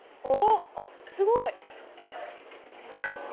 おおあっすごい。